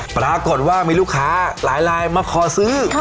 ปรากฏว่ามีลูกค้าหลายลายมาขอซื้อ